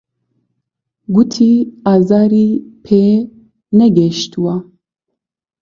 گوتی ئازاری پێ نەگەیشتووە.